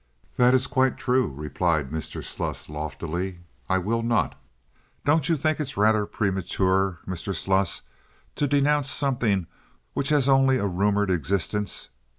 "That is quite true," replied Mr. Sluss, loftily. "I will not." "Don't you think it is rather premature, Mr. Sluss, to denounce something which has only a rumored existence?"